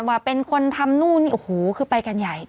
ว่าเป็นคนทำนู่นนี่โอ้โหคือไปกันใหญ่